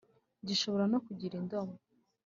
gishobora no kugira indomo,